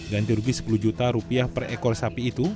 ganti rugi sepuluh juta rupiah per ekor sapi itu